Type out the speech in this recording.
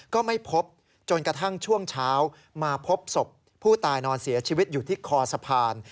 ก็ไม่พบจนกระทั่งช่วงเช้ามาพบศพผู้ตายนอนเสียชีวิตอยู่ที่คอสะพาน